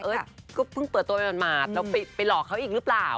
ก็เพิ่งเปิดตัวไปหมาดแล้วไปหลอกเขาอีกหรือเปล่า